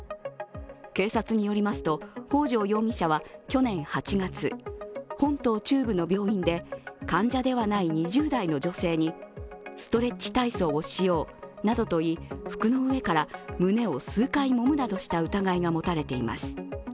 警察によりますと北條容疑者は去年８月、本島中部の病院で、患者ではない２０代の女性にストレッチ体操をしようなどと言い、服の上から胸を数回もむなどした疑いが持たれています。